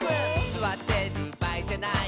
「すわってるばあいじゃない」